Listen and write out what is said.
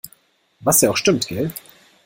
Was ja auch stimmt. Gell?